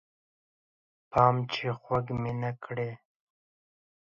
پام چې خوږ مې نه کړې